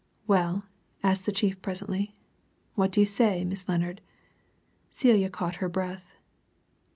"Well?" asked the chief presently. "What do you say, Miss Lennard?" Celia caught her breath.